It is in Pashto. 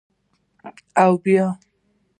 _اوبيا؟